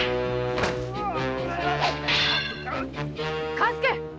勘助！